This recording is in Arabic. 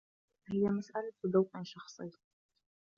هي مسألة ذوق شخصي.